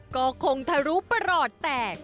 ก็คงทะลุประหลอดแตก